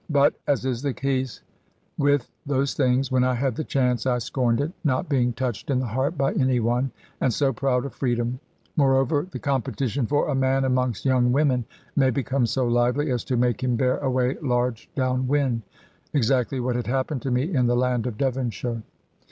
But (as is the case with those things) when I had the chance I scorned it; not being touched in the heart by any one, and so proud of freedom. Moreover, the competition for a man amongst young women may become so lively as to make him bear away large down wind. Exactly what had happened to me in the land of Devonshire.